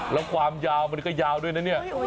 แล้วความยาวมันก็ยาวด้วยนะเนี่ย